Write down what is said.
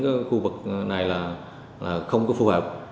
cái khu vực này là không có phù hợp